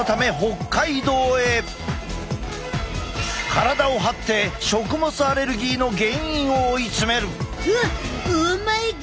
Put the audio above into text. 体を張って食物アレルギーの原因を追い詰める！